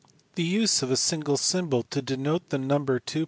The use of a single symbol to denote the number 2*71828...